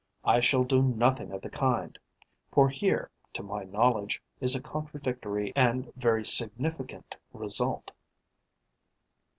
I shall do nothing of the kind; for here, to my knowledge, is a contradictory and very significant result.